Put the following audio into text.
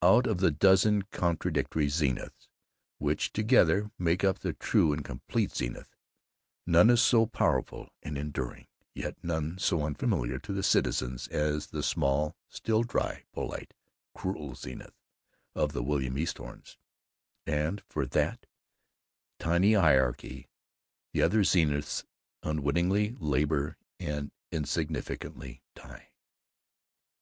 Out of the dozen contradictory Zeniths which together make up the true and complete Zenith, none is so powerful and enduring yet none so unfamiliar to the citizens as the small, still, dry, polite, cruel Zenith of the William Eathornes; and for that tiny hierarchy the other Zeniths unwittingly labor and insignificantly die.